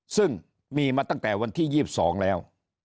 ซึ่งมีมาตั้งแต่วันที่๒๒แล้ว